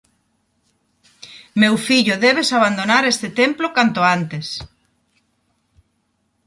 Meu fillo, debes abandonar este templo canto antes.